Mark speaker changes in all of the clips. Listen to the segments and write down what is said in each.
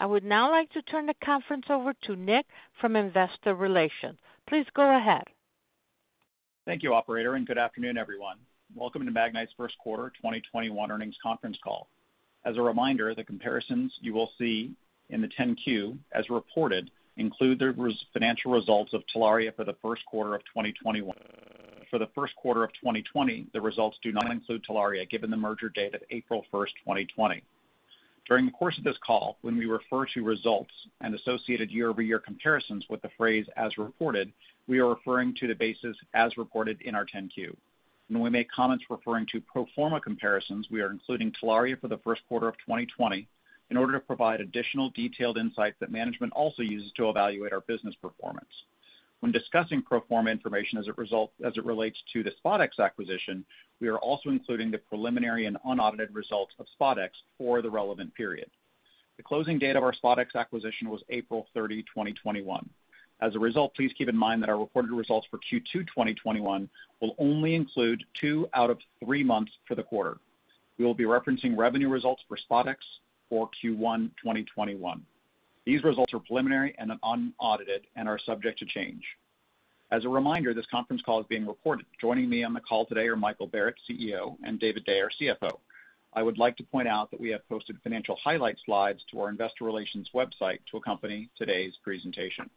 Speaker 1: I would now like to turn the conference over to Nick from Investor Relations. Please go ahead.
Speaker 2: Thank you, Operator. Good afternoon, everyone. Welcome to Magnite's First Quarter 2021 Earnings Conference Call. As a reminder, the comparisons you will see in the 10-Q as reported include the financial results of Telaria for the first quarter of 2021. For the first quarter of 2020, the results do not include Telaria, given the merger date of April 1st, 2020. During the course of this call, when we refer to results and associated year-over-year comparisons with the phrase as reported, we are referring to the basis as reported in our 10-Q. When we make comments referring to pro forma comparisons, we are including Telaria for the first quarter of 2020 in order to provide additional detailed insights that management also uses to evaluate our business performance. When discussing pro forma information as it relates to the SpotX acquisition, we are also including the preliminary and unaudited results of SpotX for the relevant period. The closing date of our SpotX acquisition was April 30, 2021. As a result, please keep in mind that our reported results for Q2 2021 will only include two out of three months for the quarter. We will be referencing revenue results for SpotX for Q1 2021. These results are preliminary and unaudited and are subject to change. As a reminder, this conference call is being recorded. Joining me on the call today are Michael Barrett, CEO, and David Day, our CFO. I would like to point out that we have posted financial highlight slides to our investor relations website to accompany today's presentation.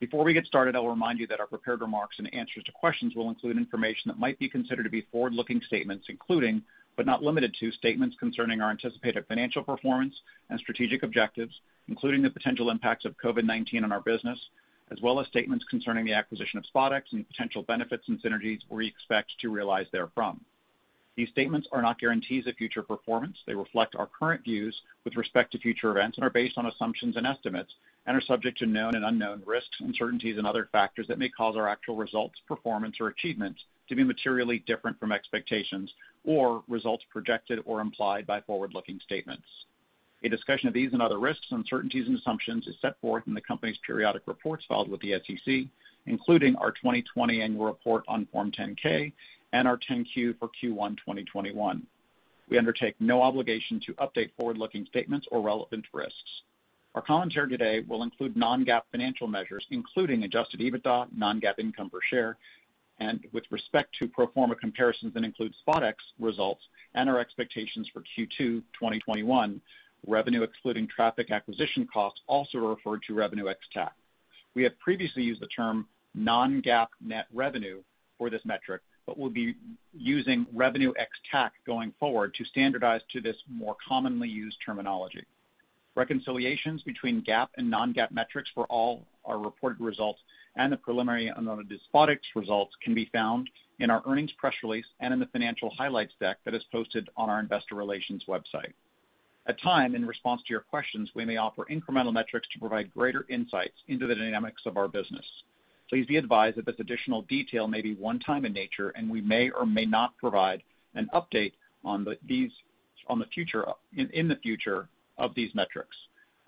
Speaker 2: Before we get started, I'll remind you that our prepared remarks and answers to questions will include information that might be considered to be forward-looking statements, including, but not limited to, statements concerning our anticipated financial performance and strategic objectives, including the potential impacts of COVID-19 on our business. As well as statements concerning the acquisition of SpotX and the potential benefits and synergies we expect to realize therefrom. These statements are not guarantees of future performance. They reflect our current views with respect to future events and are based on assumptions and estimates and are subject to known and unknown risks, uncertainties and other factors that may cause our actual results, performance or achievements to be materially different from expectations or results projected or implied by forward-looking statements. A discussion of these and other risks and uncertainties and assumptions is set forth in the company's periodic reports filed with the SEC, including our 2020 Annual Report on Form 10-K and our 10-Q for Q1 2021. We undertake no obligation to update forward-looking statements or relevant risks. Our commentary today will include non-GAAP financial measures, including Adjusted EBITDA, non-GAAP income per share, and with respect to pro forma comparisons that include SpotX results and our expectations for Q2 2021, revenue excluding traffic acquisition costs also are referred to Revenue ex-TAC. We have previously used the term non-GAAP net revenue for this metric, but we'll be using Revenue ex-TAC going forward to standardize to this more commonly used terminology. Reconciliations between GAAP and non-GAAP metrics for all our reported results and the preliminary unaudited SpotX results can be found in our earnings press release and in the financial highlights deck that is posted on our investor relations website. At time, in response to your questions, we may offer incremental metrics to provide greater insights into the dynamics of our business. Please be advised that this additional detail may be one time in nature, and we may or may not provide an update in the future of these metrics.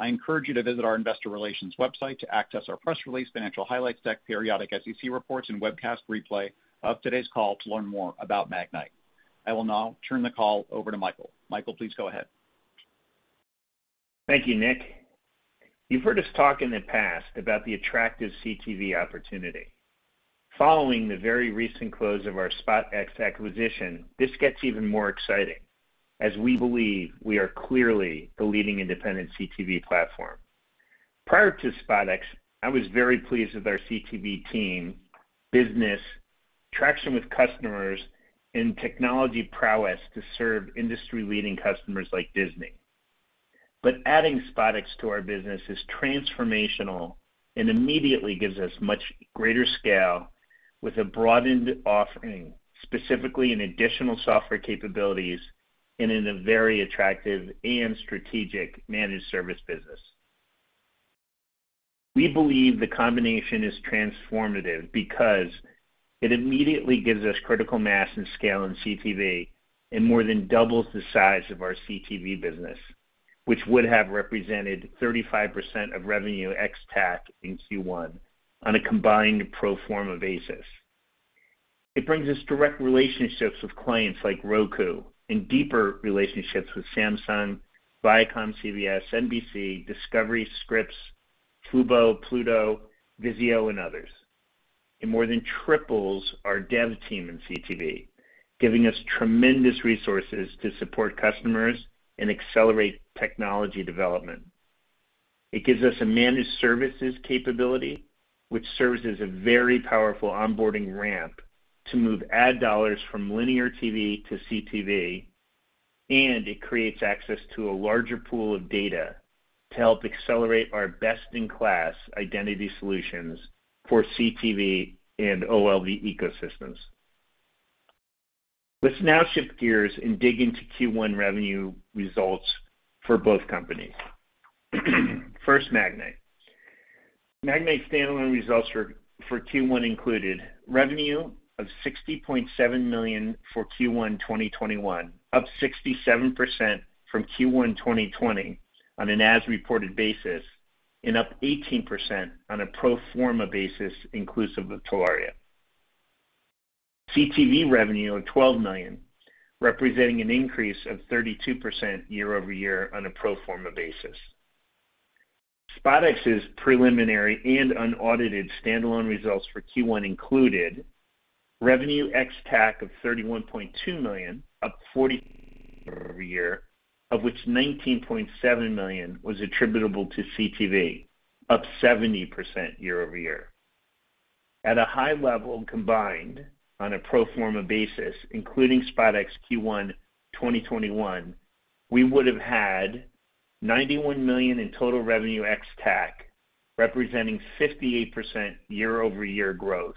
Speaker 2: I encourage you to visit our investor relations website to access our press release, financial highlights deck, periodic SEC reports, and webcast replay of today's call to learn more about Magnite. I will now turn the call over to Michael. Michael, please go ahead.
Speaker 3: Thank you, Nick. You've heard us talk in the past about the attractive CTV opportunity. Following the very recent close of our SpotX acquisition, this gets even more exciting as we believe we are clearly the leading independent CTV platform. Prior to SpotX, I was very pleased with our CTV team, business, traction with customers, and technology prowess to serve industry-leading customers like Disney. Adding SpotX to our business is transformational and immediately gives us much greater scale with a broadened offering, specifically in additional software capabilities and in a very attractive and strategic managed service business. We believe the combination is transformative because it immediately gives us critical mass and scale in CTV and more than doubles the size of our CTV business, which would have represented 35% of Revenue ex-TAC in Q1 on a combined pro forma basis. It brings us direct relationships with clients like Roku and deeper relationships with Samsung, Viacom, CBS, NBC, Discovery, Scripps, Fubo, Pluto, VIZIO, and others. It more than triples our dev team in CTV, giving us tremendous resources to support customers and accelerate technology development. It gives us a managed services capability, which serves as a very powerful onboarding ramp to move ad dollars from linear TV to CTV, and it creates access to a larger pool of data to help accelerate our best-in-class identity solutions for CTV and OLV ecosystems. Let's now shift gears and dig into Q1 revenue results for both companies. First, Magnite. Magnite standalone results for Q1 included revenue of $60.7 million for Q1 2021, up 67% from Q1 2020 on an as-reported basis and up 18% on a pro forma basis inclusive of Telaria. CTV revenue of $12 million, representing an increase of 32% year-over-year on a pro forma basis. SpotX's preliminary and unaudited standalone results for Q1 included Revenue ex-TAC of $31.2 million, up 40% year-over-year, of which $19.7 million was attributable to CTV, up 70% year-over-year. At a high level combined on a pro forma basis, including SpotX Q1 2021, we would have had $91 million in total Revenue ex-TAC, representing 58% year-over-year growth,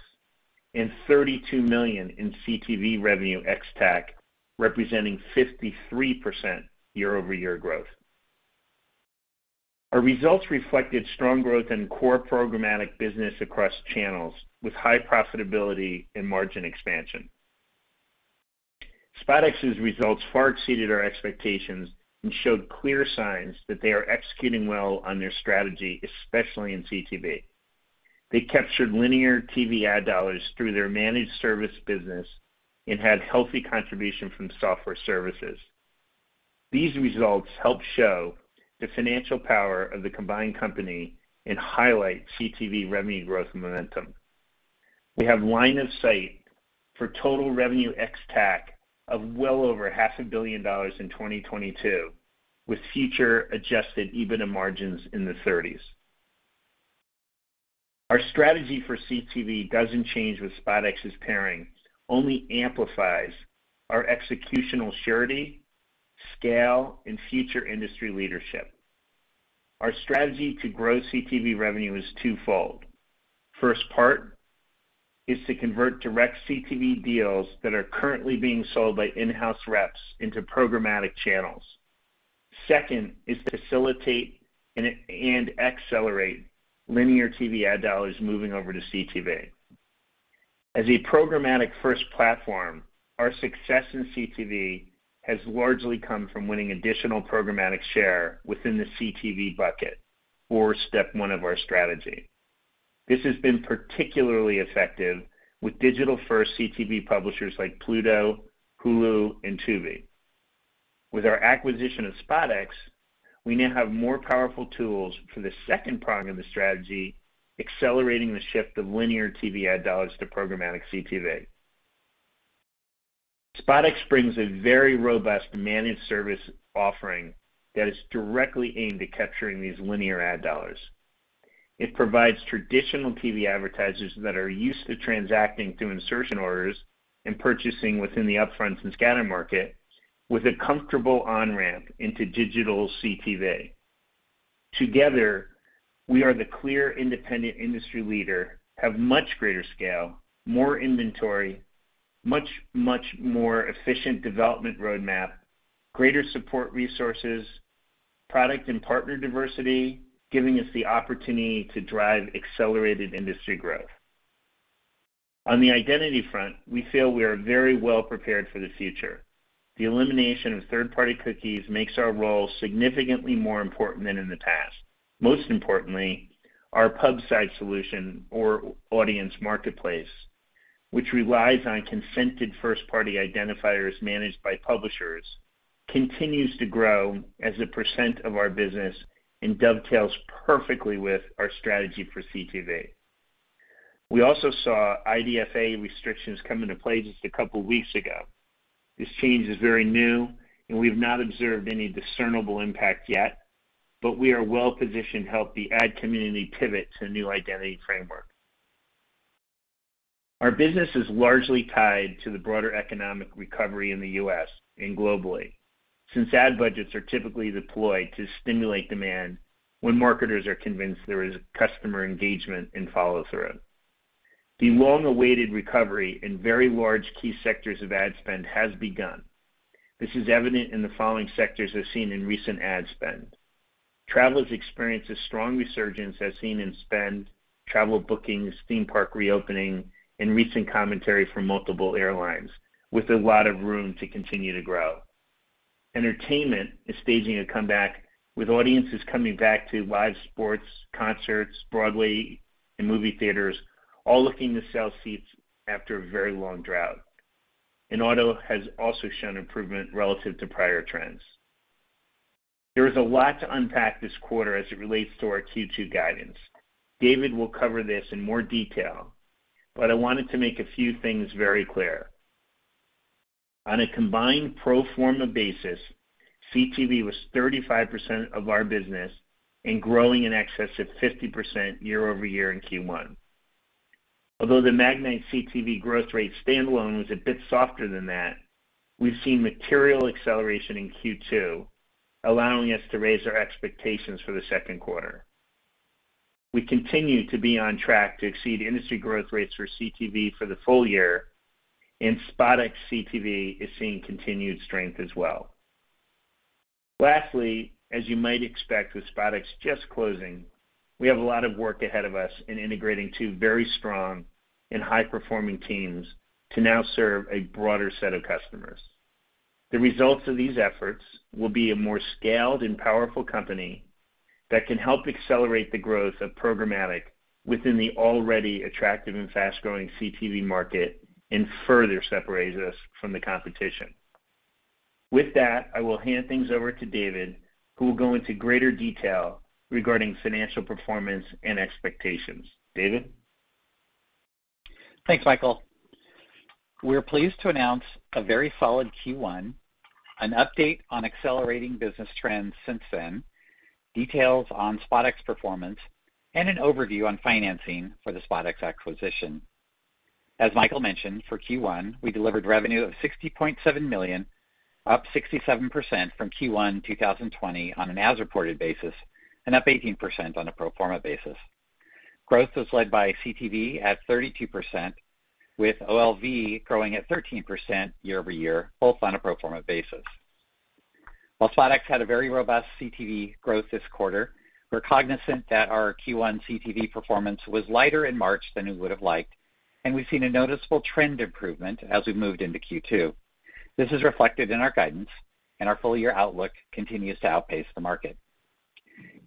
Speaker 3: and $32 million in CTV Revenue ex-TAC, representing 53% year-over-year growth. Our results reflected strong growth in core programmatic business across channels with high profitability and margin expansion. SpotX's results far exceeded our expectations and showed clear signs that they are executing well on their strategy, especially in CTV. They captured linear TV ad dollars through their managed service business and had healthy contribution from software services. These results help show the financial power of the combined company and highlight CTV revenue growth momentum. We have line of sight for total Revenue ex-TAC of well over half a billion dollars in 2022, with future Adjusted EBITDA margins in the 30%s. Our strategy for CTV doesn't change with SpotX's pairing, only amplifies our executional surety, scale, and future industry leadership. Our strategy to grow CTV revenue is twofold. First part is to convert direct CTV deals that are currently being sold by in-house reps into programmatic channels. Second is to facilitate and accelerate linear TV ad dollars moving over to CTV. As a programmatic-first platform, our success in CTV has largely come from winning additional programmatic share within the CTV bucket, or step one of our strategy. This has been particularly effective with digital-first CTV publishers like Pluto TV, Hulu, and Tubi. With our acquisition of SpotX, we now have more powerful tools for the second prong of the strategy, accelerating the shift of linear TV ad dollars to programmatic CTV. SpotX brings a very robust managed service offering that is directly aimed at capturing these linear ad dollars. It provides traditional TV advertisers that are used to transacting through insertion orders and purchasing within the upfronts and scatter market with a comfortable on-ramp into digital CTV. Together, we are the clear independent industry leader, have much greater scale, more inventory, much more efficient development roadmap, greater support resources, product and partner diversity, giving us the opportunity to drive accelerated industry growth. On the identity front, we feel we are very well prepared for the future. The elimination of third-party cookies makes our role significantly more important than in the past. Most importantly, our pub side solution or audience marketplace, which relies on consented first-party identifiers managed by publishers, continues to grow as a percent of our business and dovetails perfectly with our strategy for CTV. We also saw IDFA restrictions come into play just a couple of weeks ago. This change is very new, and we've not observed any discernible impact yet, but we are well-positioned to help the ad community pivot to a new identity framework. Our business is largely tied to the broader economic recovery in the U.S. and globally, since ad budgets are typically deployed to stimulate demand when marketers are convinced there is customer engagement and follow-through. The long-awaited recovery in very large key sectors of ad spend has begun. This is evident in the following sectors as seen in recent ad spend. Travelers experience a strong resurgence as seen in spend, travel bookings, theme park reopening, and recent commentary from multiple airlines, with a lot of room to continue to grow. Entertainment is staging a comeback, with audiences coming back to live sports, concerts, Broadway, and movie theaters, all looking to sell seats after a very long drought. Auto has also shown improvement relative to prior trends. There is a lot to unpack this quarter as it relates to our Q2 guidance. David will cover this in more detail. I wanted to make a few things very clear. On a combined pro forma basis, CTV was 35% of our business and growing in excess of 50% year-over-year in Q1. Although the Magnite CTV growth rate stand-alone was a bit softer than that, we've seen material acceleration in Q2, allowing us to raise our expectations for the second quarter. We continue to be on track to exceed industry growth rates for CTV for the full year, and SpotX CTV is seeing continued strength as well. Lastly, as you might expect with SpotX just closing, we have a lot of work ahead of us in integrating two very strong and high-performing teams to now serve a broader set of customers. The results of these efforts will be a more scaled and powerful company that can help accelerate the growth of programmatic within the already attractive and fast-growing CTV market and further separates us from the competition. With that, I will hand things over to David, who will go into greater detail regarding financial performance and expectations. David?
Speaker 4: Thanks, Michael. We are pleased to announce a very solid Q1, an update on accelerating business trends since then, details on SpotX performance, and an overview on financing for the SpotX acquisition. As Michael mentioned, for Q1, we delivered revenue of $60.7 million, up 67% from Q1 2020 on an as-reported basis, and up 18% on a pro forma basis. Growth was led by CTV at 32%, with OLV growing at 13% year-over-year, both on a pro forma basis. While SpotX had a very robust CTV growth this quarter, we're cognizant that our Q1 CTV performance was lighter in March than we would've liked, and we've seen a noticeable trend improvement as we've moved into Q2. This is reflected in our guidance, and our full-year outlook continues to outpace the market.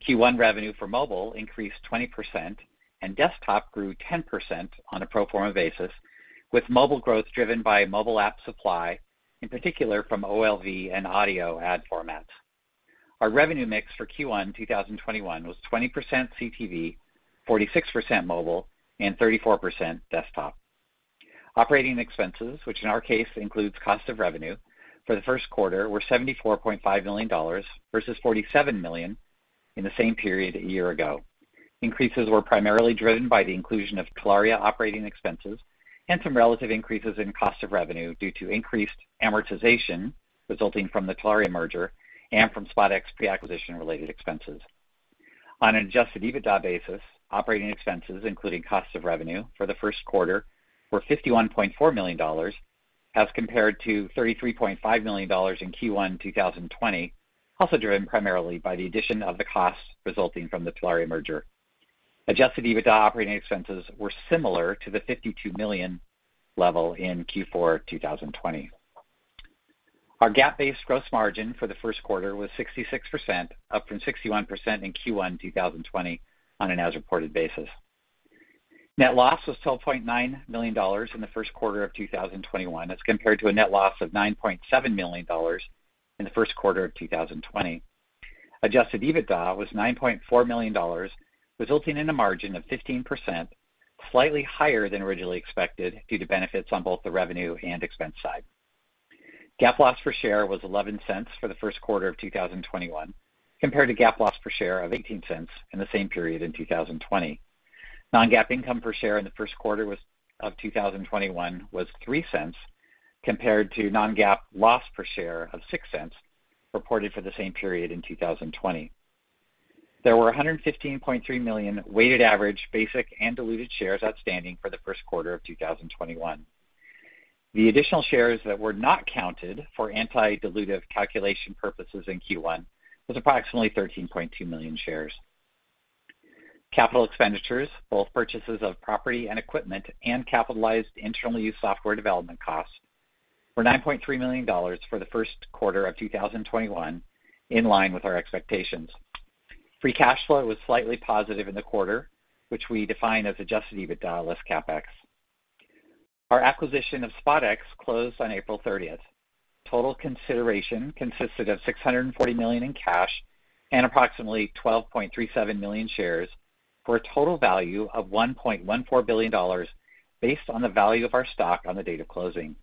Speaker 4: Q1 revenue for mobile increased 20% and desktop grew 10% on a pro forma basis, with mobile growth driven by mobile app supply, in particular from OLV and audio ad formats. Our revenue mix for Q1 2021 was 20% CTV, 46% mobile, and 34% desktop. Operating expenses, which in our case includes cost of revenue for the first quarter, were $74.5 million versus $47 million in the same period a year ago. Increases were primarily driven by the inclusion of Telaria operating expenses and some relative increases in cost of revenue due to increased amortization resulting from the Telaria merger and from SpotX pre-acquisition related expenses. On an Adjusted EBITDA basis, operating expenses including costs of revenue for the first quarter were $51.4 million as compared to $33.5 million in Q1 2020, also driven primarily by the addition of the costs resulting from the Telaria merger. Adjusted EBITDA operating expenses were similar to the $52 million level in Q4 2020. Our GAAP-based gross margin for the first quarter was 66%, up from 61% in Q1 2020 on an as-reported basis. Net loss was $12.9 million in the first quarter of 2021. That's compared to a net loss of $9.7 million in the first quarter of 2020. Adjusted EBITDA was $9.4 million, resulting in a margin of 15%, slightly higher than originally expected due to benefits on both the revenue and expense side. GAAP loss per share was $0.11 for the first quarter of 2021 compared to GAAP loss per share of $0.18 in the same period in 2020. Non-GAAP income per share in the first quarter of 2021 was $0.03 compared to Non-GAAP loss per share of $0.06 reported for the same period in 2020. There were 115.3 million weighted average basic and diluted shares outstanding for the first quarter of 2021. The additional shares that were not counted for anti-dilutive calculation purposes in Q1 was approximately 13.2 million shares. Capital expenditures, both purchases of property and equipment and capitalized internal use software development costs were $9.3 million for the first quarter of 2021, in line with our expectations. Free cash flow was slightly positive in the quarter, which we define as Adjusted EBITDA less CapEx. Our acquisition of SpotX closed on April 30th. Total consideration consisted of $640 million in cash and approximately 12.37 million shares for a total value of $1.14 billion based on the value of our stock on the date of closing.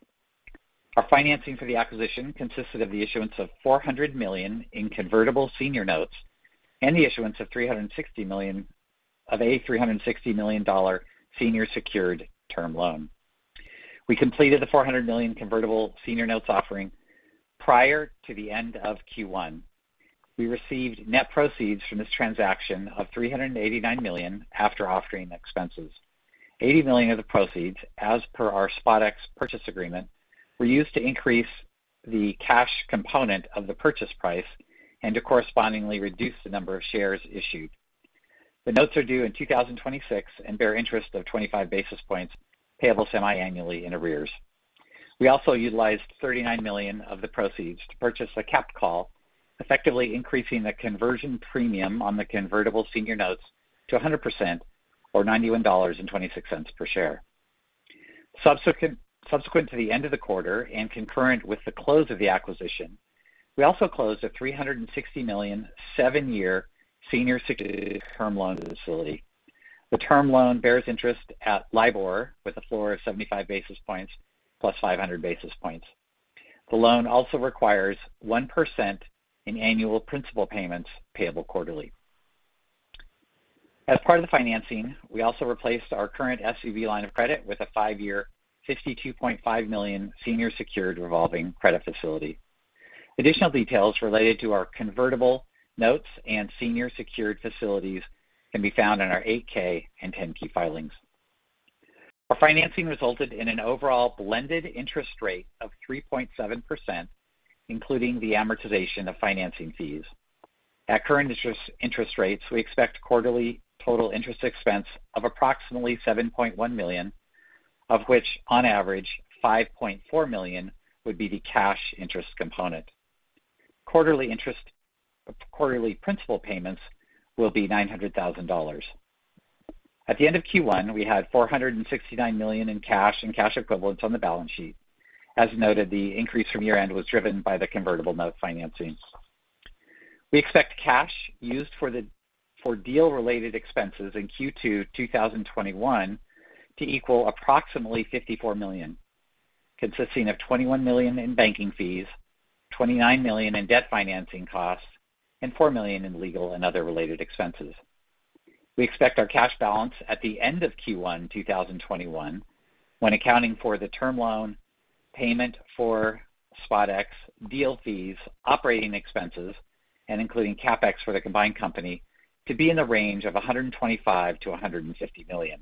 Speaker 4: Our financing for the acquisition consisted of the issuance of $400 million in convertible senior notes and the issuance of a $360 million senior secured term loan. We completed the $400 million convertible senior notes offering prior to the end of Q1. We received net proceeds from this transaction of $389 million after offering expenses. $80 million of the proceeds, as per our SpotX purchase agreement, were used to increase the cash component of the purchase price and to correspondingly reduce the number of shares issued. The notes are due in 2026 and bear interest of 25 basis points payable semi-annually in arrears. We also utilized $39 million of the proceeds to purchase a capped call, effectively increasing the conversion premium on the convertible senior notes to 100%, or $91.26 per share. Subsequent to the end of the quarter and concurrent with the close of the acquisition, we also closed a $360 million seven-year senior secured term loan facility. The term loan bears interest at LIBOR with a floor of 75 basis points plus 500 basis points. The loan also requires 1% in annual principal payments payable quarterly. As part of the financing, we also replaced our current ABL line of credit with a five-year $52.5 million senior secured revolving credit facility. Additional details related to our convertible notes and senior secured facilities can be found in our 8-K and 10-Q filings. Our financing resulted in an overall blended interest rate of 3.7%, including the amortization of financing fees. At current interest rates, we expect quarterly total interest expense of approximately $7.1 million, of which, on average, $5.4 million would be the cash interest component. Quarterly principal payments will be $900,000. At the end of Q1, we had $469 million in cash and cash equivalents on the balance sheet. As noted, the increase from year-end was driven by the convertible note financing. We expect cash used for deal-related expenses in Q2 2021 to equal approximately $54 million, consisting of $21 million in banking fees, $29 million in debt financing costs, and $4 million in legal and other related expenses. We expect our cash balance at the end of Q1 2021, when accounting for the term loan payment for SpotX, deal fees, operating expenses, and including CapEx for the combined company, to be in the range of $125 million-$150 million.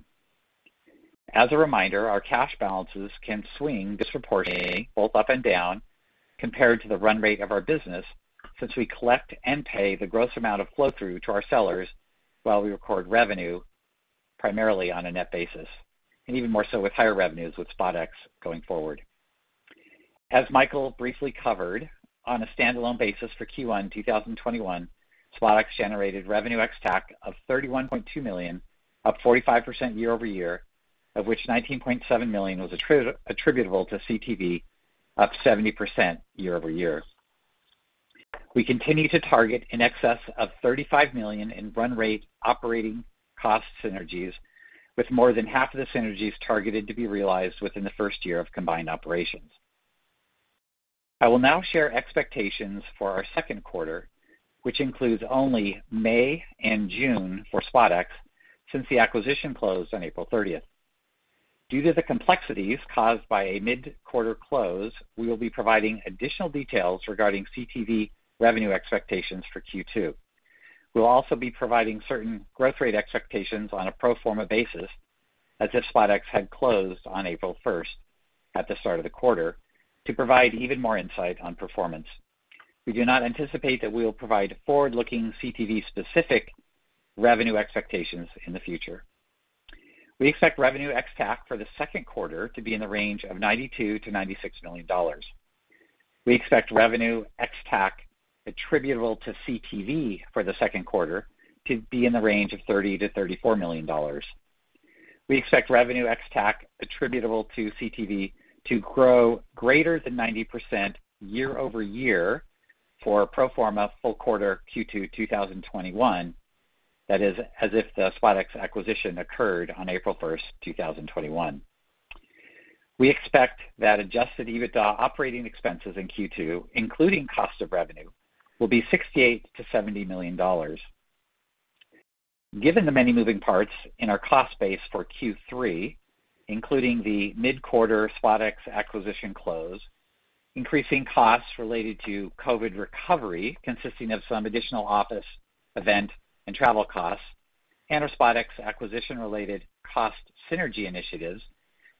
Speaker 4: As a reminder, our cash balances can swing disproportionately, both up and down, compared to the run rate of our business since we collect and pay the gross amount of flow-through to our sellers while we record revenue primarily on a net basis, and even more so with higher revenues with SpotX going forward. As Michael briefly covered, on a standalone basis for Q1 2021, SpotX generated Revenue ex-TAC of $31.2 million, up 45% year-over-year, of which $19.7 million was attributable to CTV, up 70% year-over-year. We continue to target in excess of $35 million in run rate operating cost synergies, with more than 1/2 of the synergies targeted to be realized within the first year of combined operations. I will now share expectations for our second quarter, which includes only May and June for SpotX, since the acquisition closed on April 30th. Due to the complexities caused by a mid-quarter close, we will be providing additional details regarding CTV revenue expectations for Q2. We will also be providing certain growth rate expectations on a pro forma basis as if SpotX had closed on April 1st at the start of the quarter to provide even more insight on performance. We do not anticipate that we will provide forward-looking CTV specific revenue expectations in the future. We expect Revenue ex-TAC for the second quarter to be in the range of $92 million-$96 million. We expect Revenue ex-TAC attributable to CTV for the second quarter to be in the range of $30 million-$34 million. We expect Revenue ex-TAC attributable to CTV to grow greater than 90% year-over-year for pro forma full quarter Q2 2021. That is, as if the SpotX acquisition occurred on April 1st, 2021. We expect that Adjusted EBITDA operating expenses in Q2, including cost of revenue, will be $68 million-$70 million. Given the many moving parts in our cost base for Q3, including the mid-quarter SpotX acquisition close, increasing costs related to COVID recovery, consisting of some additional office, event, and travel costs, and our SpotX acquisition-related cost synergy initiatives,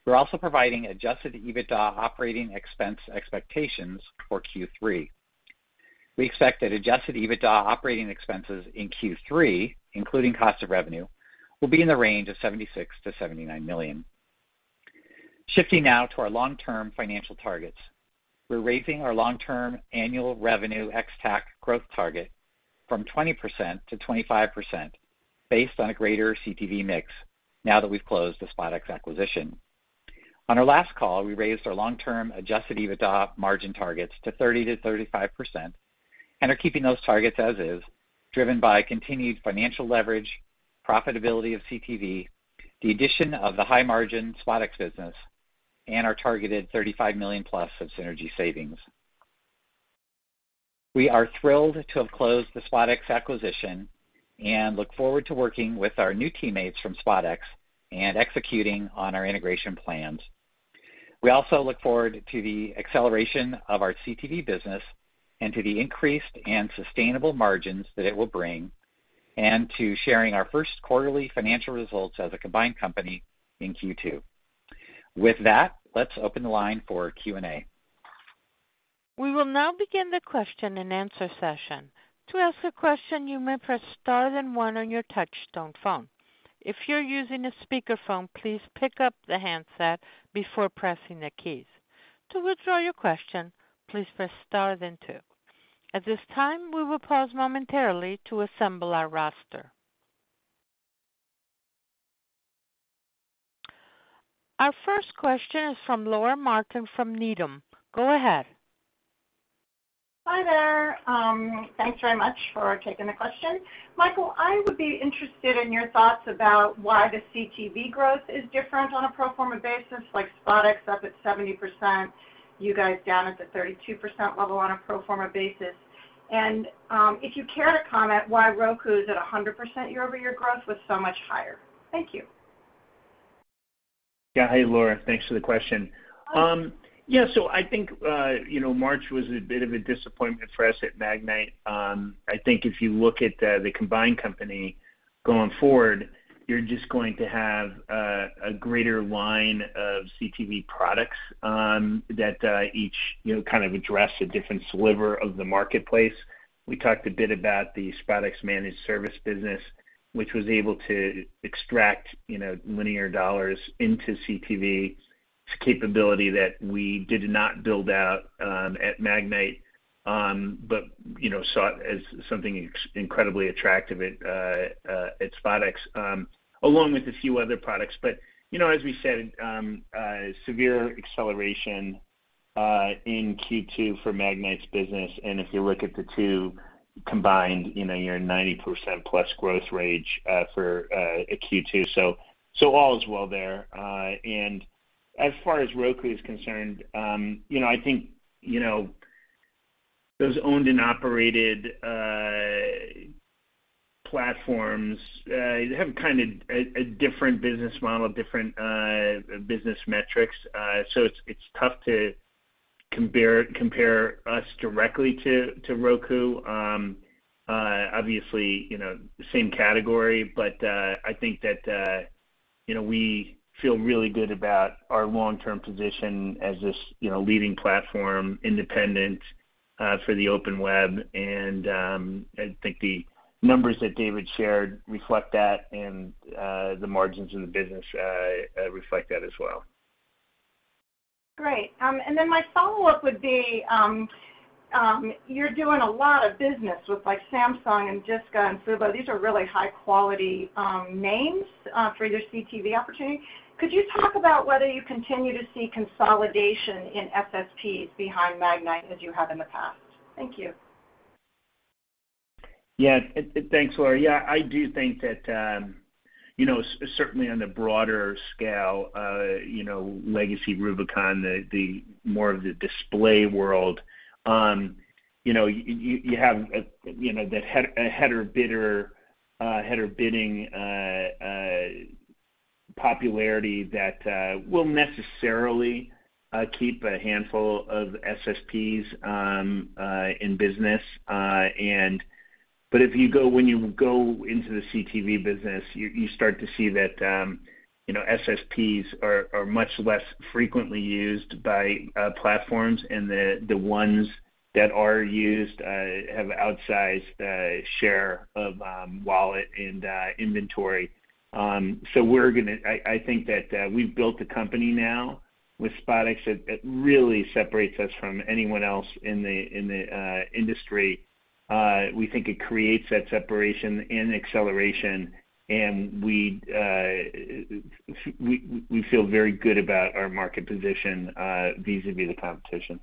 Speaker 4: we're also providing Adjusted EBITDA operating expense expectations for Q3. We expect that Adjusted EBITDA operating expenses in Q3, including cost of revenue, will be in the range of $76 million-$79 million. Shifting now to our long-term financial targets. We're raising our long-term annual Revenue ex-TAC growth target from 20%-25% based on a greater CTV mix now that we've closed the SpotX acquisition. On our last call, we raised our long-term Adjusted EBITDA margin targets to 30%-35% and are keeping those targets as is, driven by continued financial leverage, profitability of CTV, the addition of the high-margin SpotX business, and our targeted $35 million+ of synergy savings. We are thrilled to have closed the SpotX acquisition and look forward to working with our new teammates from SpotX and executing on our integration plans. We also look forward to the acceleration of our CTV business and to the increased and sustainable margins that it will bring, and to sharing our first quarterly financial results as a combined company in Q2. With that, let's open the line for Q&A.
Speaker 1: We will now begin the question-and-answer session. To ask a question, you may press star then one on your touchtone phone. If you're using a speakerphone, please pick up the handset before pressing the keys. To withdraw your question, please press star then two. At this time, we will pause momentarily to assemble our roster. Our first question is from Laura Martin from Needham. Go ahead.
Speaker 5: Hi there. Thanks very much for taking the question. Michael, I would be interested in your thoughts about why the CTV growth is different on a pro forma basis, like SpotX up at 70%, you guys down at the 32% level on a pro forma basis, and if you care to comment why Roku is at 100% year-over-year growth was so much higher. Thank you.
Speaker 3: Yeah. Hey, Laura. Thanks for the question. Yeah, I think March was a bit of a disappointment for us at Magnite. I think if you look at the combined company going forward, you're just going to have a greater line of CTV products that each kind of address a different sliver of the marketplace. We talked a bit about the SpotX managed service business, which was able to extract linear dollars into CTV. It's a capability that we did not build out at Magnite, but saw it as something incredibly attractive at SpotX, along with a few other products. As we said, severe acceleration in Q2 for Magnite's business. If you look at the two combined, you're 90%+ growth rate for Q2. All is well there. As far as Roku is concerned, I think those owned and operated platforms have kind of a different business model, different business metrics. It's tough to compare us directly to Roku. Obviously, same category. I think that we feel really good about our long-term position as this leading platform, independent for the open web, and I think the numbers that David shared reflect that, and the margins in the business reflect that as well.
Speaker 5: Great. My follow-up would be, you're doing a lot of business with Samsung and Sling TV and Fubo. These are really high-quality names for your CTV opportunity. Could you talk about whether you continue to see consolidation in SSPs behind Magnite as you have in the past? Thank you.
Speaker 3: Yeah. Thanks, Laura. Yeah, I do think that, certainly on the broader scale, Legacy, Rubicon, more of the display world, you have a header bidding popularity that will necessarily keep a handful of SSPs in business. When you go into the CTV business, you start to see that SSPs are much less frequently used by platforms, and the ones that are used have outsized share of wallet and inventory. I think that we've built a company now with SpotX that really separates us from anyone else in the industry. We think it creates that separation and acceleration, and we feel very good about our market position vis-a-vis the competition.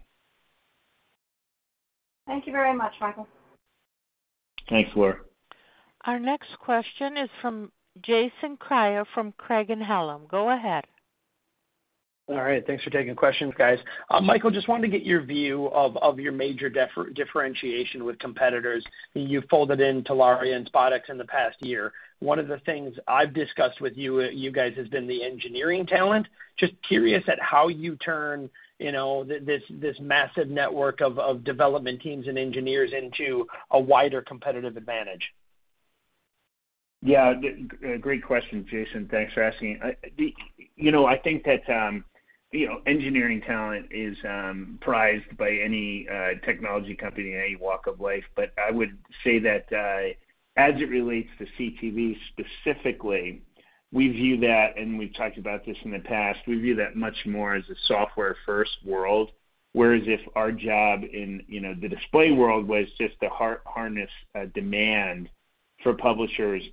Speaker 5: Thank you very much, Michael.
Speaker 3: Thanks, Laura.
Speaker 1: Our next question is from Jason Kreyer from Craig-Hallum. Go ahead.
Speaker 6: All right. Thanks for taking questions, guys. Michael, just wanted to get your view of your major differentiation with competitors. You folded in Telaria and SpotX in the past year. One of the things I've discussed with you guys has been the engineering talent. Just curious at how you turn this massive network of development teams and engineers into a wider competitive advantage.
Speaker 3: Yeah. Great question, Jason. Thanks for asking. I think that engineering talent is prized by any technology company in any walk of life. I would say that as it relates to CTV specifically, and we've talked about this in the past, we view that much more as a software-first world. Whereas if our job in the display world was just to harness demand for publishers,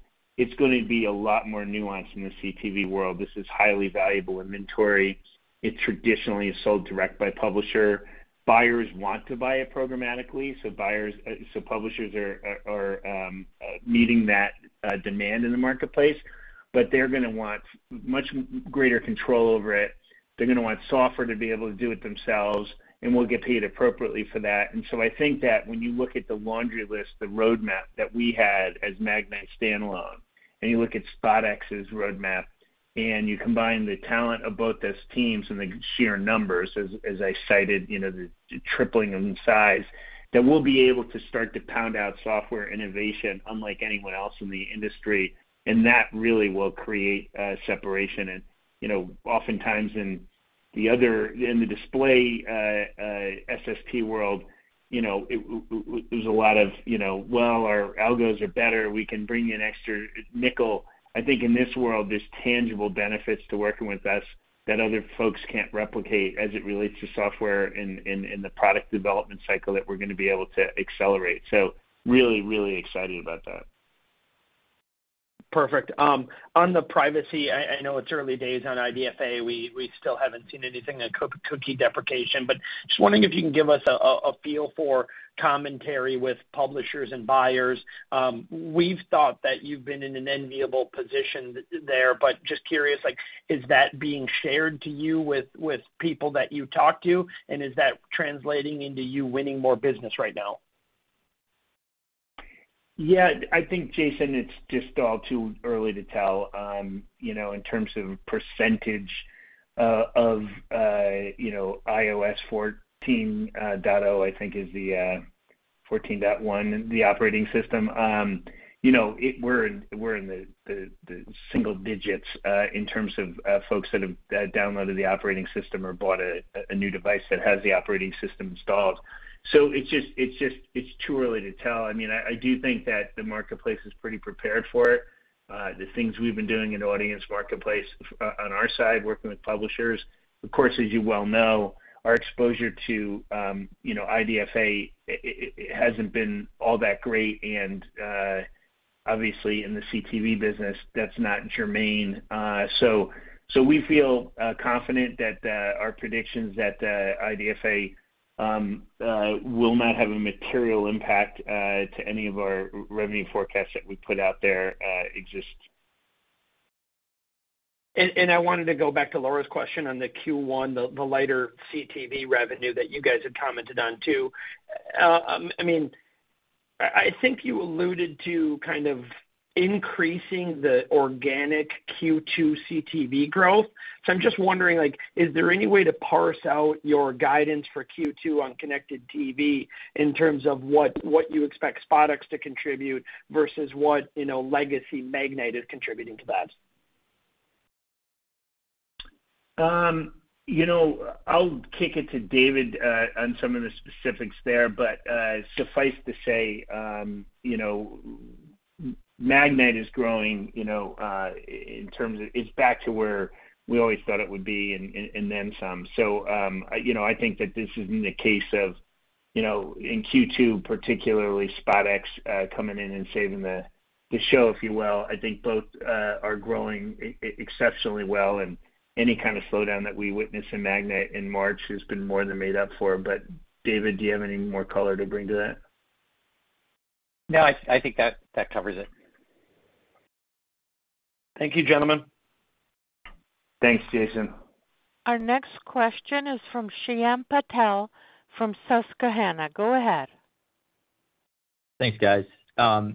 Speaker 3: it's going to be a lot more nuanced in the CTV world. This is highly valuable inventory. It traditionally is sold direct by publisher. Buyers want to buy it programmatically, so publishers are meeting that demand in the marketplace, but they're going to want much greater control over it. They're going to want software to be able to do it themselves, and we'll get paid appropriately for that. I think that when you look at the laundry list, the roadmap that we had as Magnite standalone, and you look at SpotX's roadmap and you combine the talent of both those teams and the sheer numbers, as I cited, the tripling in size, that we'll be able to start to pound out software innovation unlike anyone else in the industry. That really will create a separation. Oftentimes in the display SSP world, there's a lot of, "Well, our algos are better. We can bring in an extra nickel." I think in this world, there's tangible benefits to working with us that other folks can't replicate as it relates to software and the product development cycle that we're going to be able to accelerate. Really, really excited about that.
Speaker 6: Perfect. On the privacy, I know it's early days on IDFA. We still haven't seen anything on cookie deprecation. Just wondering if you can give us a feel for commentary with publishers and buyers. We've thought that you've been in an enviable position there, but just curious, is that being shared to you with people that you talk to, and is that translating into you winning more business right now?
Speaker 3: I think, Jason, it's just all too early to tell in terms of percentage of iOS 14.0, I think is the 14.1, the operating system. We're in the single digits in terms of folks that have downloaded the operating system or bought a new device that has the operating system installed. It's too early to tell. I do think that the marketplace is pretty prepared for it. The things we've been doing in the audience marketplace on our side, working with publishers, of course, as you well know, our exposure to IDFA hasn't been all that great, and obviously in the CTV business, that's not germane. We feel confident that our predictions that IDFA will not have a material impact to any of our revenue forecasts that we put out there exist.
Speaker 6: I wanted to go back to Laura's question on the Q1, the lighter CTV revenue that you guys have commented on too. I think you alluded to kind of increasing the organic Q2 CTV growth. I'm just wondering, is there any way to parse out your guidance for Q2 on connected TV in terms of what you expect SpotX to contribute versus what legacy Magnite is contributing to that?
Speaker 3: I'll kick it to David on some of the specifics there. Suffice to say, Magnite is back to where we always thought it would be and then some. I think that this isn't a case of in Q2, particularly SpotX coming in and saving the show, if you will. I think both are growing exceptionally well, and any kind of slowdown that we witnessed in Magnite in March has been more than made up for. David, do you have any more color to bring to that?
Speaker 4: No, I think that covers it.
Speaker 6: Thank you, gentlemen.
Speaker 3: Thanks, Jason.
Speaker 1: Our next question is from Shyam Patil from Susquehanna. Go ahead.
Speaker 7: Thanks, guys. I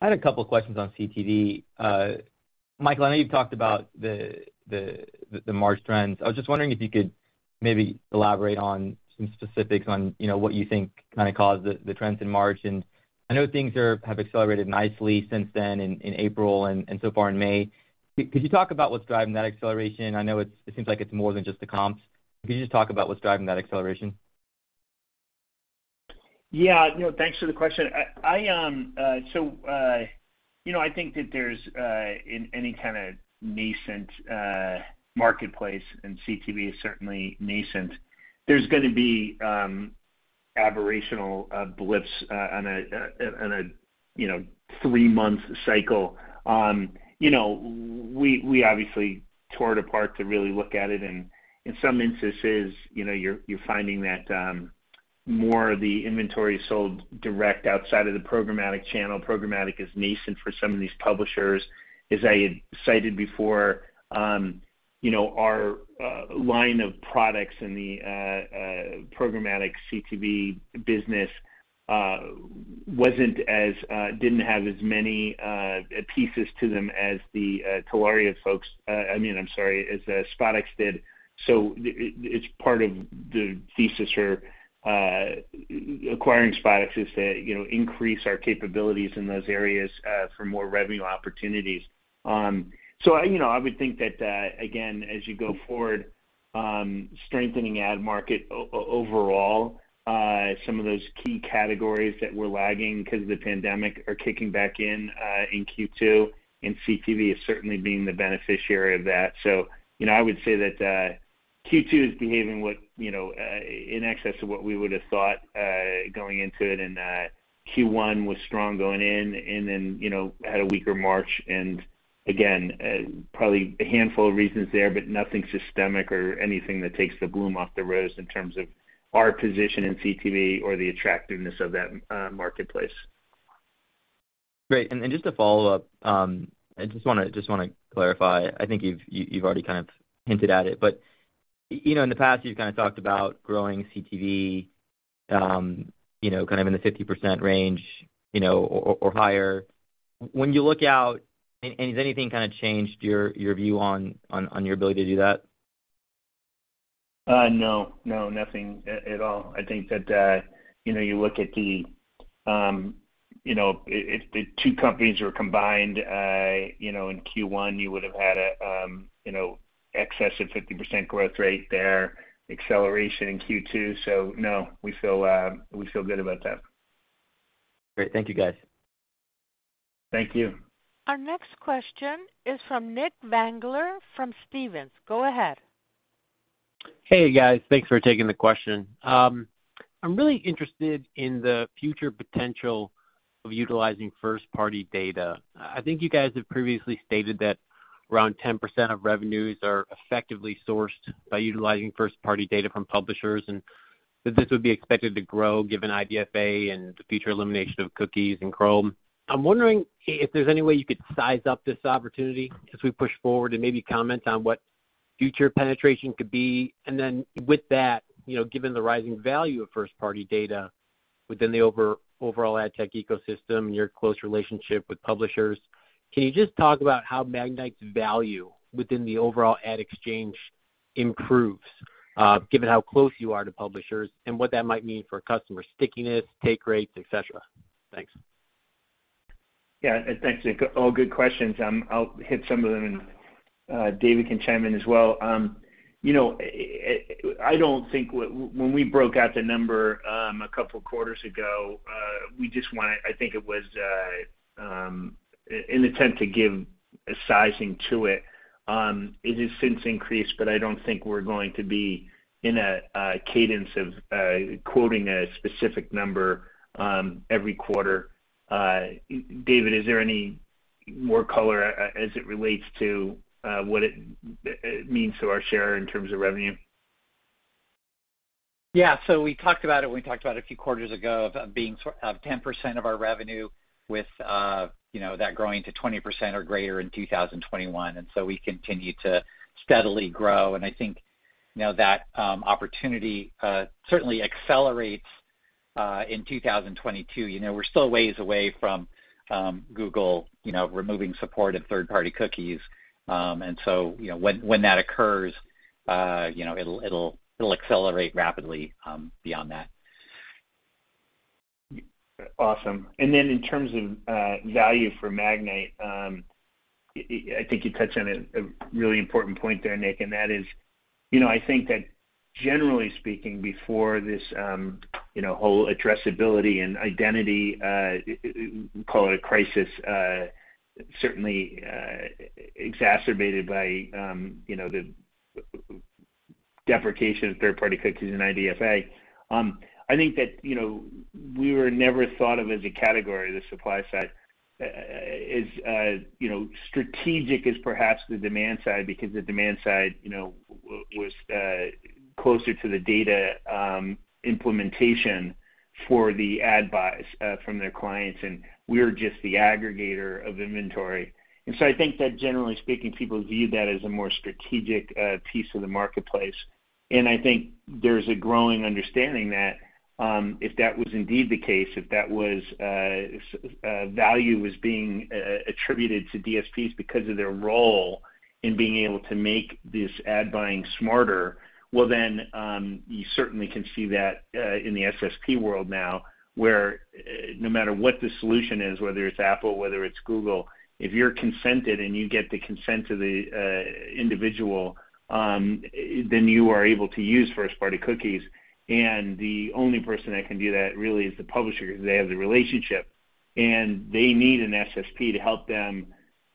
Speaker 7: had a couple questions on CTV. Michael, I know you've talked about the March trends. I was just wondering if you could maybe elaborate on some specifics on what you think kind of caused the trends in March. I know things have accelerated nicely since then in April and so far in May. Could you talk about what's driving that acceleration? I know it seems like it's more than just the comps. Could you just talk about what's driving that acceleration?
Speaker 3: Yeah. Thanks for the question. I think that there's any kind of nascent marketplace, and CTV is certainly nascent. There's going to be aberrational blips on a three-month cycle. We obviously tore it apart to really look at it, and in some instances, you're finding that more of the inventory sold direct outside of the programmatic channel. Programmatic is nascent for some of these publishers. As I had cited before, our line of products in the programmatic CTV business didn't have as many pieces to them as the Telaria folks, I'm sorry, as SpotX did. It's part of the thesis for acquiring SpotX is to increase our capabilities in those areas for more revenue opportunities. I would think that again, as you go forward, strengthening ad market overall, some of those key categories that were lagging because of the pandemic are kicking back in Q2, and CTV is certainly being the beneficiary of that. I would say that Q2 is behaving in excess of what we would have thought going into it, and Q1 was strong going in and then had a weaker March. Again, probably a handful of reasons there, but nothing systemic or anything that takes the gloom off the rose in terms of our position in CTV or the attractiveness of that marketplace.
Speaker 7: Great. Just to follow up, I just want to clarify, I think you've already hinted at it. In the past, you've talked about growing CTV in the 50% range or higher. When you look out, has anything changed your view on your ability to do that?
Speaker 3: No, nothing at all. I think that if the two companies were combined in Q1, you would have had excess of 50% growth rate there, acceleration in Q2. No, we feel good about that.
Speaker 7: Great. Thank you, guys.
Speaker 3: Thank you.
Speaker 1: Our next question is from Nick Zangler from Stephens. Go ahead.
Speaker 8: Hey, guys. Thanks for taking the question. I'm really interested in the future potential of utilizing first-party data. I think you guys have previously stated that around 10% of revenues are effectively sourced by utilizing first-party data from publishers, and that this would be expected to grow given IDFA and the future elimination of cookies in Chrome. I'm wondering if there's any way you could size up this opportunity as we push forward and maybe comment on what future penetration could be. Then with that, given the rising value of first-party data within the overall ad tech ecosystem and your close relationship with publishers, can you just talk about how Magnite's value within the overall ad exchange improves, given how close you are to publishers, and what that might mean for customer stickiness, take rates, et cetera? Thanks.
Speaker 3: Yeah. Thanks, Nick. All good questions. I'll hit some of them, and David can chime in as well. When we broke out the number a couple of quarters ago, I think it was an attempt to give a sizing to it. It has since increased, but I don't think we're going to be in a cadence of quoting a specific number every quarter. David, is there any more color as it relates to what it means to our share in terms of revenue?
Speaker 4: We talked about it a few quarters ago of that being 10% of our revenue, with that growing to 20% or greater in 2021. We continue to steadily grow. I think now that opportunity certainly accelerates in 2022. We're still ways away from Google removing support of third-party cookies. When that occurs, it'll accelerate rapidly beyond that.
Speaker 3: Awesome. In terms of value for Magnite, I think you touched on a really important point there, Nick, and that is, I think that generally speaking, before this whole addressability and identity, call it a crisis, certainly exacerbated by the deprecation of third-party cookies and IDFA. I think that we were never thought of as a category, the supply side, as strategic as perhaps the demand side because the demand side was closer to the data implementation for the ad buys from their clients, and we are just the aggregator of inventory. I think that generally speaking, people view that as a more strategic piece of the marketplace. I think there's a growing understanding that if that was indeed the case, if that value was being attributed to DSPs because of their role in being able to make this ad buying smarter, well then you certainly can see that in the SSP world now, where no matter what the solution is, whether it's Apple, whether it's Google, if you're consented and you get the consent of the individual, then you are able to use first-party cookies. The only person that can do that really is the publisher because they have the relationship, and they need an SSP to help them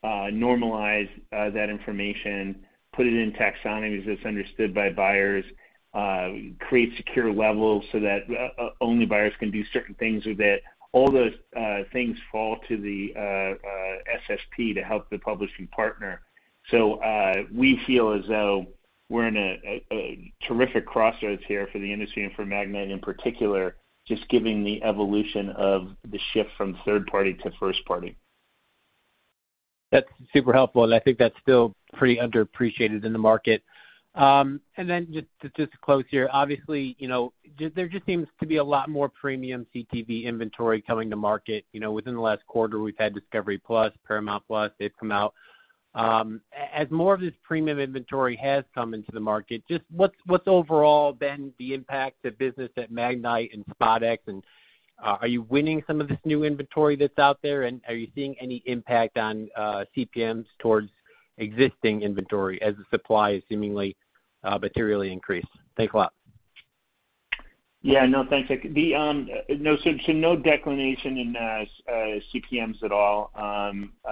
Speaker 3: normalize that information, put it in taxonomies that's understood by buyers, create secure levels so that only buyers can do certain things with it. All those things fall to the SSP to help the publishing partner. We feel as though we're in a terrific crossroads here for the industry and for Magnite in particular, just given the evolution of the shift from third party to first party.
Speaker 8: That's super helpful. I think that's still pretty underappreciated in the market. Just to close here, obviously, there just seems to be a lot more premium CTV inventory coming to market within the last quarter. We've had Discovery+, Paramount+, they've come out. As more of this premium inventory has come into the market, just what's overall been the impact to business at Magnite and SpotX, and are you winning some of this new inventory that's out there? Are you seeing any impact on CPMs towards existing inventory as the supply seemingly materially increase? Thanks a lot.
Speaker 3: Yeah. No, thanks, Nick. No declination in CPMs at all.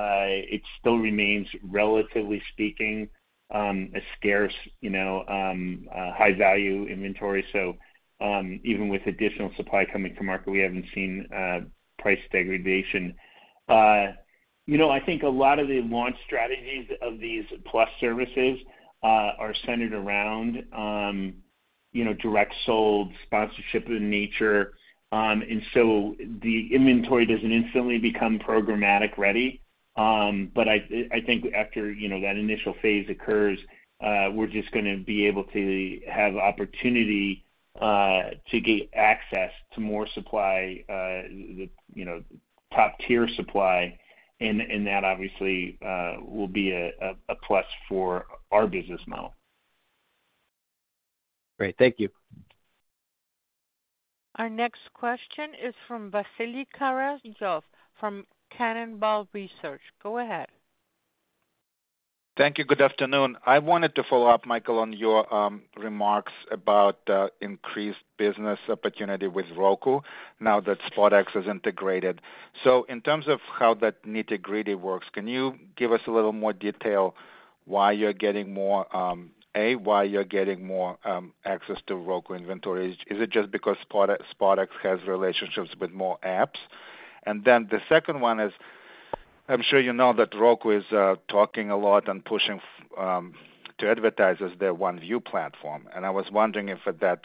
Speaker 3: It still remains, relatively speaking, a scarce high-value inventory. Even with additional supply coming to market, we haven't seen price degradation. I think a lot of the launch strategies of these Plus services are centered around direct sold sponsorship in nature. The inventory doesn't instantly become programmatic-ready. I think after that initial phase occurs, we're just going to be able to have opportunity to get access to more top-tier supply, and that obviously will be a plus for our business model.
Speaker 8: Great. Thank you.
Speaker 1: Our next question is from Vasily Karasyov from Cannonball Research. Go ahead.
Speaker 9: Thank you. Good afternoon. I wanted to follow up, Michael, on your remarks about increased business opportunity with Roku now that SpotX is integrated. In terms of how that nitty-gritty works, can you give us a little more detail, A, why you're getting more access to Roku inventory? Is it just because SpotX has relationships with more apps? The second one is, I'm sure you know that Roku is talking a lot and pushing to advertise as their OneView platform, I was wondering if that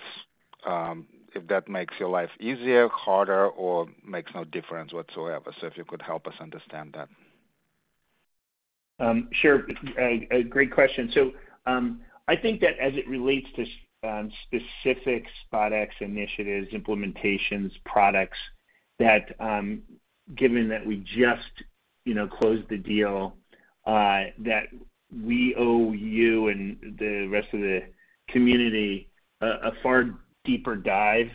Speaker 9: makes your life easier, harder, or makes no difference whatsoever. If you could help us understand that.
Speaker 3: Sure. A great question. I think that as it relates to specific SpotX initiatives, implementations, products, that given that we just closed the deal, that we owe you and the rest of the community a far deeper dive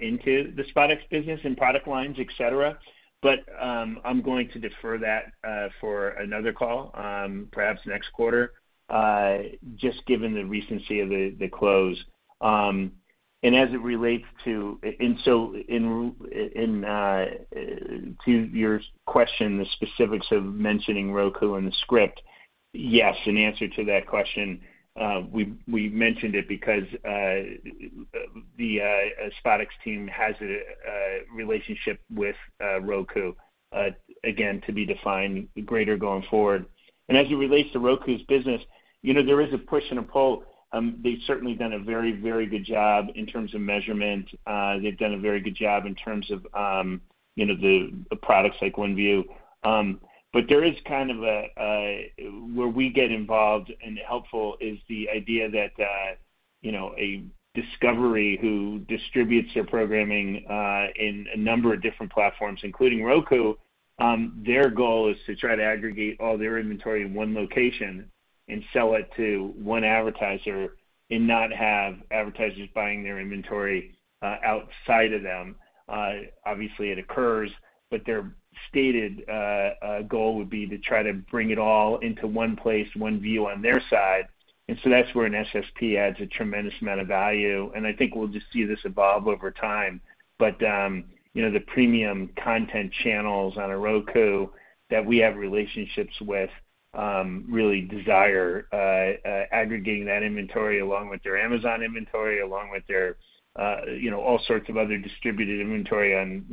Speaker 3: into the SpotX business and product lines, et cetera. I'm going to defer that for another call, perhaps next quarter, just given the recency of the close. To your question, the specifics of mentioning Roku in the script, yes, in answer to that question, we mentioned it because the SpotX team has a relationship with Roku, again, to be defined greater going forward. As it relates to Roku's business, there is a push and a pull. They've certainly done a very good job in terms of measurement. They've certainly done a very good job in terms of the products like OneView. Where we get involved and helpful is the idea that a Discovery who distributes their programming in a number of different platforms, including Roku, their goal is to try to aggregate all their inventory in one location and sell it to one advertiser and not have advertisers buying their inventory outside of them. Obviously it occurs, but their stated goal would be to try to bring it all into one place, OneView on their side. That's where an SSP adds a tremendous amount of value, and I think we'll just see this evolve over time. The premium content channels on a Roku that we have relationships with really desire aggregating that inventory along with their Amazon inventory, along with all sorts of other distributed inventory on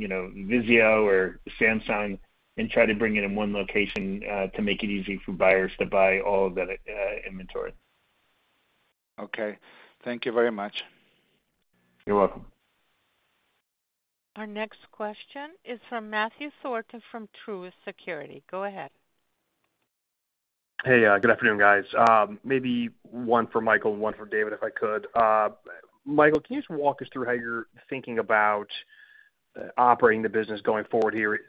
Speaker 3: VIZIO or Samsung, and try to bring it in one location to make it easy for buyers to buy all of that inventory.
Speaker 9: Okay. Thank you very much.
Speaker 3: You're welcome.
Speaker 1: Our next question is from Matthew Thornton from Truist Securities. Go ahead.
Speaker 10: Hey, good afternoon, guys. Maybe one for Michael and one for David, if I could. Michael, can you just walk us through how you're thinking about operating the business going forward here? Is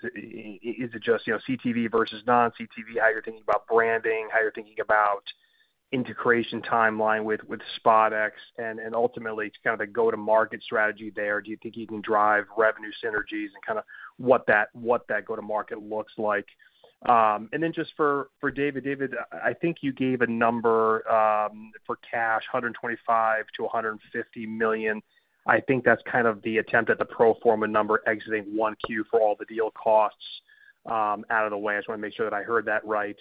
Speaker 10: it just CTV versus non-CTV? How you're thinking about branding, how you're thinking about integration timeline with SpotX and ultimately kind of the go-to-market strategy there. Do you think you can drive revenue synergies and kind of what that go-to-market looks like? Just for David. David, I think you gave a number for cash, $125 million-$150 million. I think that's kind of the attempt at the pro forma number exiting 1Q for all the deal costs out of the way. I just want to make sure that I heard that right.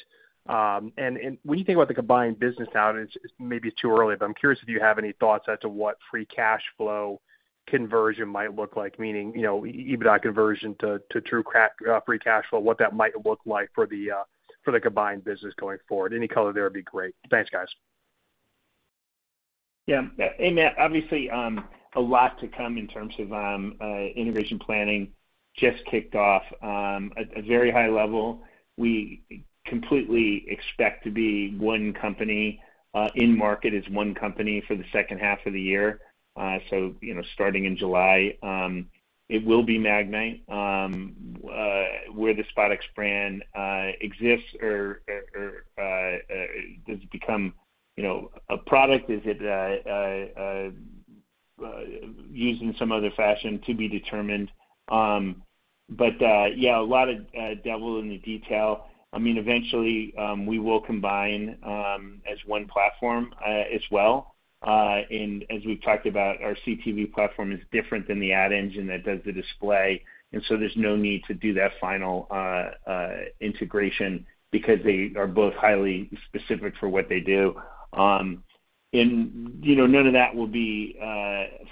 Speaker 10: When you think about the combined business now, and maybe it's too early, but I'm curious if you have any thoughts as to what free cash flow conversion might look like. Meaning, EBITDA conversion to true free cash flow, what that might look like for the combined business going forward. Any color there would be great. Thanks, guys.
Speaker 3: Yeah. Hey, Matt. Obviously, a lot to come in terms of integration planning. Just kicked off at a very high level. We completely expect to be one company, in market as one company for the second half of the year. Starting in July, it will be Magnite where the SpotX brand exists or does it become a product? Is it used in some other fashion? To be determined. Yeah, a lot of devil in the detail. Eventually, we will combine as one platform as well. As we've talked about, our CTV platform is different than the ad engine that does the display, and so there's no need to do that final integration because they are both highly specific for what they do. None of that will be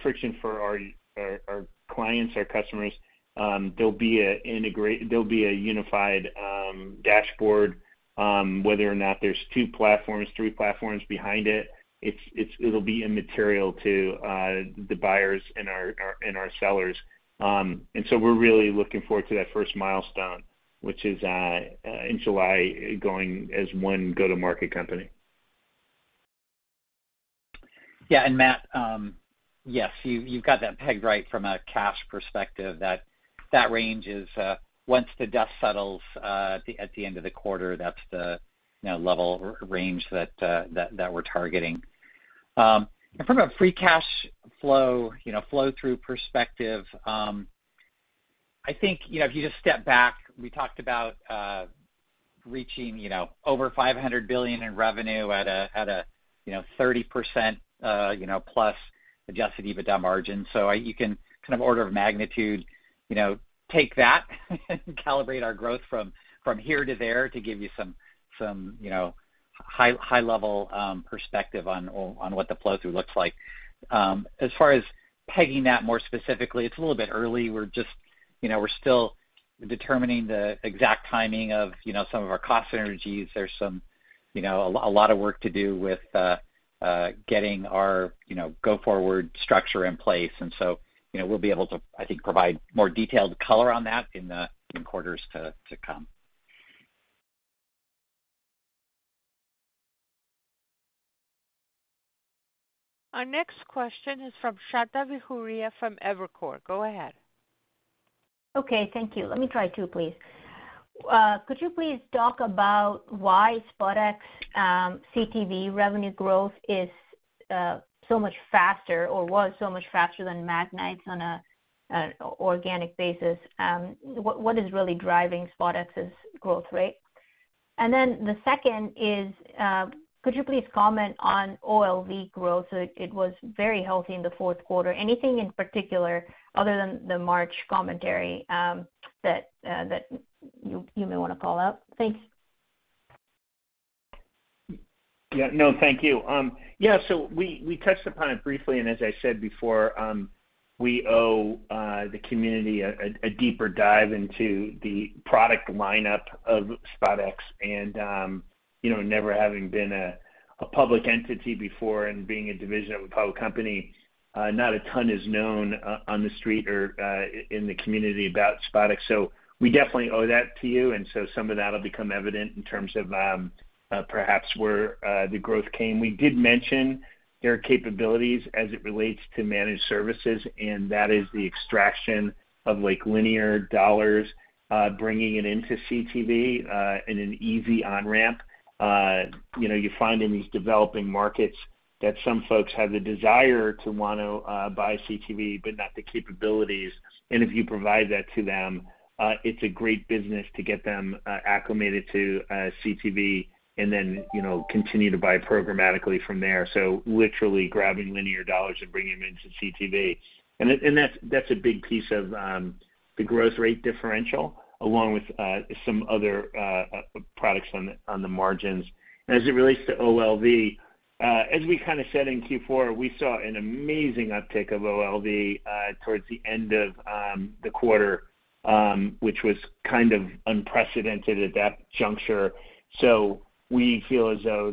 Speaker 3: friction for our clients, our customers. There'll be a unified dashboard. Whether or not there's two platforms, three platforms behind it'll be immaterial to the buyers and our sellers. We're really looking forward to that first milestone, which is in July, going as one go-to-market company.
Speaker 4: Yeah. Matt, yes, you've got that pegged right from a cash perspective. That range is, once the dust settles at the end of the quarter, that's the level range that we're targeting. From a free cash flow through perspective, I think, if you just step back, we talked about reaching over $500 billion in revenue at a 30%+ Adjusted EBITDA margin. You can kind of order of magnitude take that and calibrate our growth from here to there to give you some high-level perspective on what the flow through looks like. As far as pegging that more specifically, it's a little bit early. We're still determining the exact timing of some of our cost synergies. There's a lot of work to do with getting our go forward structure in place. We'll be able to, I think, provide more detailed color on that in the coming quarters to come.
Speaker 1: Our next question is from Shweta Khajuria from Evercore. Go ahead.
Speaker 11: Okay, thank you. Let me try two, please. Could you please talk about why SpotX CTV revenue growth is so much faster or was so much faster than Magnite's on a organic basis? What is really driving SpotX's growth rate? The second is, could you please comment on OLV growth? It was very healthy in the fourth quarter. Anything in particular other than the March commentary that you may want to call out? Thanks.
Speaker 3: No, thank you. We touched upon it briefly, and as I said before, we owe the community a deeper dive into the product lineup of SpotX. Never having been a public entity before and being a division of a public company, not a ton is known on the street or in the community about SpotX. We definitely owe that to you. Some of that'll become evident in terms of perhaps where the growth came. We did mention their capabilities as it relates to managed services, and that is the extraction of linear dollars, bringing it into CTV in an easy on-ramp. You find in these developing markets that some folks have the desire to want to buy CTV but not the capabilities. If you provide that to them, it's a great business to get them acclimated to CTV and then continue to buy programmatically from there. Literally grabbing linear dollars and bringing them into CTV. That's a big piece of the growth rate differential along with some other products on the margins. As it relates to OLV, as we kind of said in Q4, we saw an amazing uptick of OLV towards the end of the quarter, which was kind of unprecedented at that juncture. We feel as though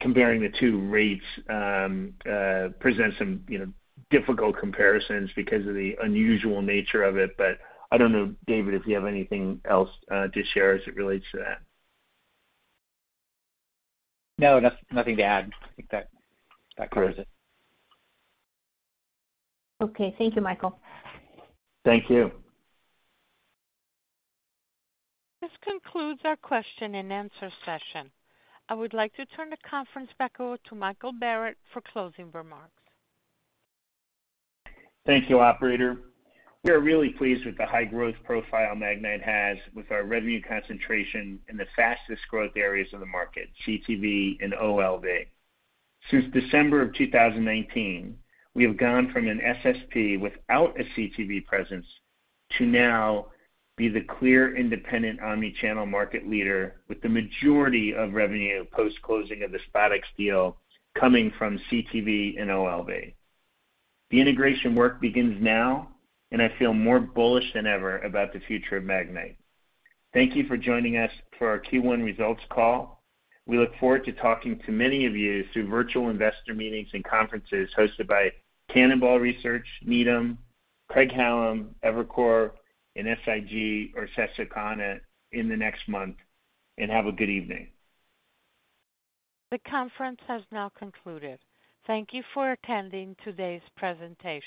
Speaker 3: comparing the two rates presents some difficult comparisons because of the unusual nature of it. I don't know, David, if you have anything else to share as it relates to that.
Speaker 4: No, nothing to add. I think that covers it.
Speaker 11: Okay. Thank you, Michael.
Speaker 3: Thank you.
Speaker 1: This concludes our question-and-answer session. I would like to turn the conference back over to Michael Barrett for closing remarks.
Speaker 3: Thank you, Operator. We are really pleased with the high growth profile Magnite has with our revenue concentration in the fastest growth areas of the market, CTV and OLV. Since December of 2019, we have gone from an SSP without a CTV presence to now be the clear independent omni-channel market leader with the majority of revenue post-closing of the SpotX deal coming from CTV and OLV. The integration work begins now. I feel more bullish than ever about the future of Magnite. Thank you for joining us for our Q1 results call. We look forward to talking to many of you through virtual investor meetings and conferences hosted by Cannonball Research, Needham, Craig-Hallum, Evercore, and SIG or Susquehanna in the next month. Have a good evening.
Speaker 1: The conference has now concluded. Thank you for attending today's presentation.